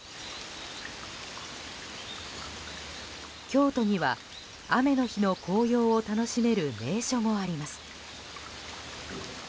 京都には、雨の日の紅葉を楽しめる名所もあります。